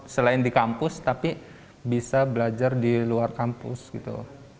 selain di kampus tapi bisa belajar di luar kampus gitu